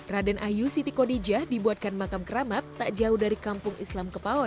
raden ayu siti kodijah dibuatkan makam keramat tak jauh dari kampung islam kepawah